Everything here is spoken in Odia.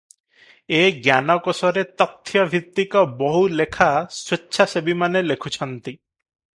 ଏ ଜ୍ଞାନକୋଷରେ ତଥ୍ୟଭିତ୍ତିକ ବହୁ ଲେଖା ସ୍ୱେଚ୍ଛାସେବୀମାନେ ଲେଖୁଛନ୍ତି ।